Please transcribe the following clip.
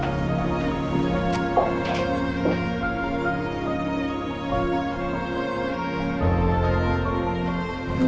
saya sudah datang